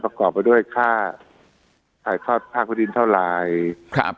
ประกอบไปด้วยค่าถ่ายค่าภาคพื้นดินเท่าไหร่ครับ